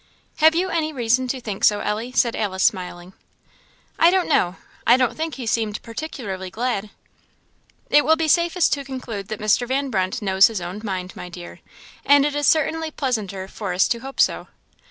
"Have you any reason to think so, Ellie?" said Alice, smiling. "I don't know I don't think he seemed particularly glad." "It will be safest to conclude that Mr. Van Brunt knows his own mind, my dear; and it is certainly pleasanter for us to hope so."